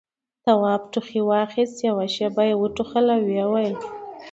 تواب ټوخي واخيست، يوه شېبه يې وټوخل، ويې ويل: